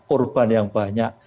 korban yang banyak